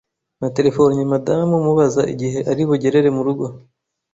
Natelefonnye madamu mubaza igihe ari bugerere mu rugo